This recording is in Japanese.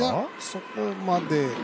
そこまで。